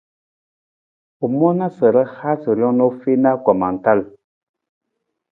U moona sa ra haasa rijang u fiin anggoma tal.